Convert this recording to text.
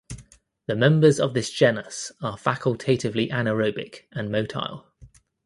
The members of this genus are facultatively anaerobic and motile.